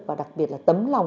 và đặc biệt là tấm lòng